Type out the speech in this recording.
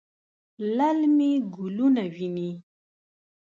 للمي ګلونه ویني